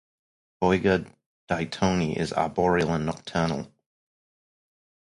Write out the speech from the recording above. "Boiga dightoni" is arboreal and nocturnal.